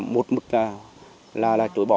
một mức là trối bỏ